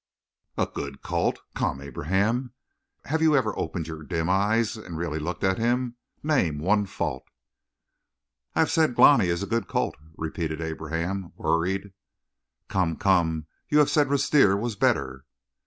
"A good colt! Come, Abraham! Have you ever opened your dim eyes and really looked at him? Name one fault." "I have said Glani is a good colt," repeated Abraham, worried. "Come, come! You have said Rustir was better."